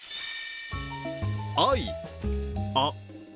愛あ